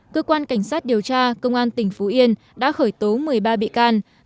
cơ quan cảnh sát điều tra công an tỉnh phú yên đã khởi tố một mươi ba bị can